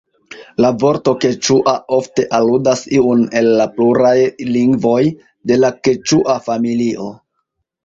La vorto "keĉua" ofte aludas iun el la pluraj lingvoj de la keĉua familio.